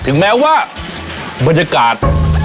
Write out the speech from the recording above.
ถึงแม้ว่าบรรยากาศ